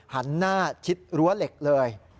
หันหน้าชิดรั้วเหล็กเลย